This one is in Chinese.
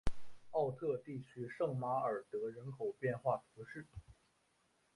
奥特地区圣马尔德人口变化图示